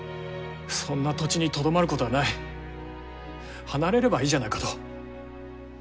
そんな土地にとどまることはない離れればいいじゃないかと。